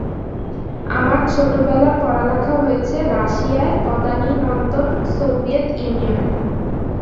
আমার ছোটবেলার পড়ালেখা হয়েছে রাশিয়ায়, তদানীন্তন সোভিয়েত ইউনিয়নে।